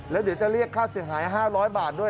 แล้วเดี๋ยวจะเรียกค่าเสียหาย๕๐๐บาทด้วย